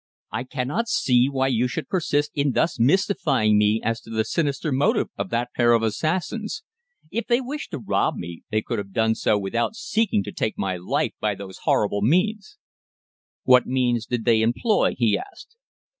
"I cannot see why you should persist in thus mystifying me as to the sinister motive of that pair of assassins. If they wished to rob me, they could have done so without seeking to take my life by those horrible means." "What means did they employ?" he asked.